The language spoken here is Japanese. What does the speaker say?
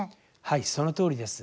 そのとおりです。